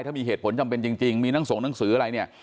ถ้ามีเหตุผลจำเป็นจริงมีทั้งส่งหนังสืออะไรเนี่ย